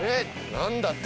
何だって？